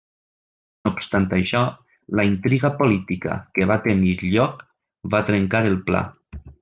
No obstant això, la intriga política que va tenir lloc va trencar el pla.